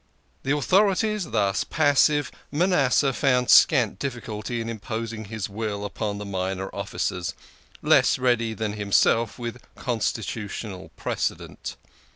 The authorities thus passive, Manasseh found scant difficulty in imposing his will upon the minor officers, less ready than himself with constitutional precedent.